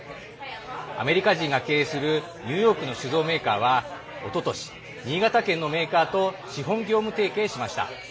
アメリカ人が経営するニューヨークの酒蔵メーカーはおととし、新潟県のメーカーと資本・業務提携しました。